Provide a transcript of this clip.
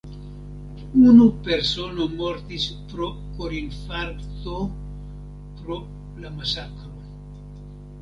Unu persono mortis pro korinfarkto pro la masakro.